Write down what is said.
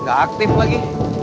nggak aktif lagi